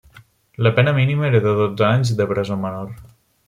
La pena mínima era de dotze anys de presó menor.